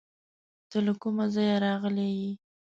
ته له کوم ځایه راغلی یې؟